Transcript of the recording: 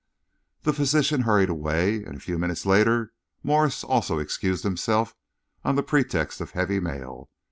The physician hurried away, and a few minutes later Morse also excused himself, on the pretext of a heavy mail.